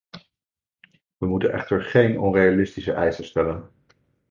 We moeten echter geen onrealistische eisen stellen.